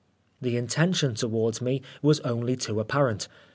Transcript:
The intention towards me was only too apparent.